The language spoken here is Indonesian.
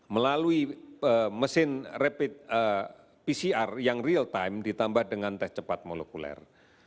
melalui mesin pcr yang real time ditambah dengan tes cepat molekuler